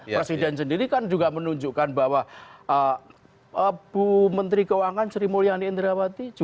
presiden sendiri kan juga menunjukkan bahwa bu menteri keuangan sri mulyani indrawati